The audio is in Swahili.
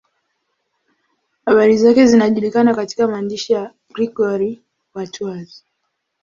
Habari zake zinajulikana katika maandishi ya Gregori wa Tours.